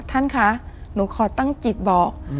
ท่านคะหนูขอตั้งจิตบอก